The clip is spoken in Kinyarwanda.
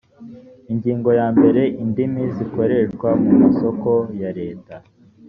ingingo ya mbere indimi zikoreshwa mu masoko ya leta